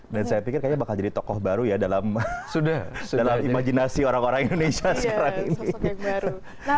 dan saya pikir bakal jadi tokoh baru ya dalam imajinasi orang orang indonesia sekarang ini